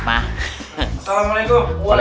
eh ini anda